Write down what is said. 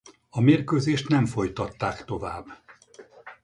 A mérkőzést nem folytatták tovább.